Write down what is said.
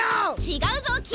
違うぞ君！